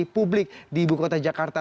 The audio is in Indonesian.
publik di ibukota jakarta